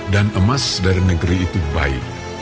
dan emas dari negeri itu baik